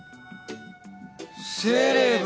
セレブ！